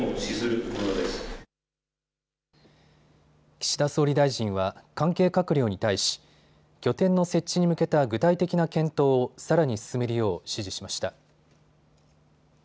岸田総理大臣は関係閣僚に対し拠点の設置に向けた具体的な検討をさらに進めるよう指示しました。